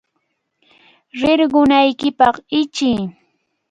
¡Rirqunaykipaq ichiy!